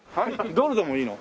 ドルでもいいの？